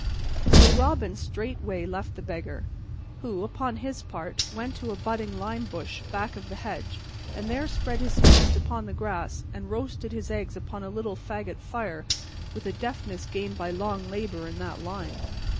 So Robin straightway left the Beggar, who, upon his part, went to a budding lime bush back of the hedge, and there spread his feast upon the grass and roasted his eggs upon a little fagot fire, with a deftness gained by long labor in that line.